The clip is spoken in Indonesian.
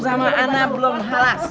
udah ada yang pake playa lu